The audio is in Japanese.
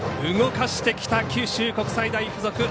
動かしてきた九州国際大付属。